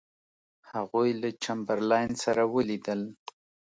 هغوی له چمبرلاین سره ولیدل.